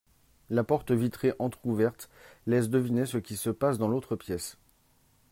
La porte vitrée entrouverte laisse deviner ce qui se passe dans l'autre pièce